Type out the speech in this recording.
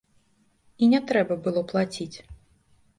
І не трэба было плаціць.